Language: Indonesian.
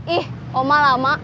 ih oma lama